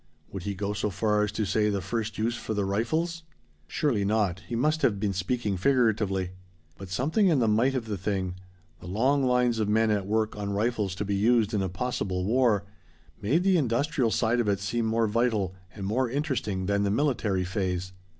Would he go so far as to say the first use for the rifles ? Surely not. He must have been speaking figuratively. But something in the might of the thing the long lines of men at work on rifles to be used in a possible war made the industrial side of it seem more vital and more interesting than the military phase.